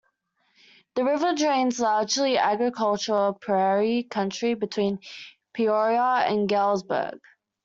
The river drains largely agricultural prairie country between Peoria and Galesburg.